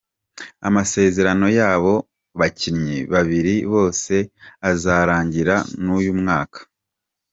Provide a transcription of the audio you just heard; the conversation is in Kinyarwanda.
Amasezerano y'abo bakinyi babiri bose azorangirana n'uyu mwaka.